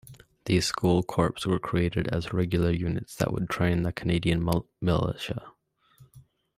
These school corps were created as regular units that would train the Canadian militia.